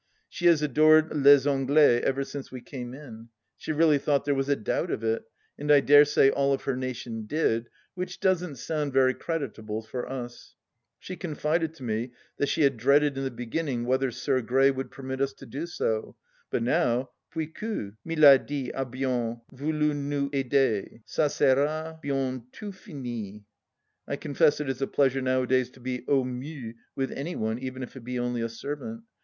She has adored Les Anglais ever since we " came in." She really thought there was a doubt of it, and I dare say all of her nation did, which doesn't sound very creditable for us ! She confided to me that she had dreaded in the beginning whether " Sir Grey " would permit us to do so ; but now :" Puis gu", Miladi a hien voulu nous aider, ca sera hieniOt fini .'" I confess it is a pleasure nowadays to be au mieux with any one, even if it be only a servant.